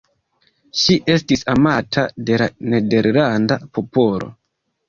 Ŝi estis amata de la nederlanda popolo.